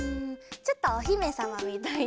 ちょっとおひめさまみたいに。